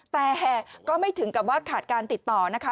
แต่ก็ไม่ถึงกับว่าขาดการติดต่อนะคะ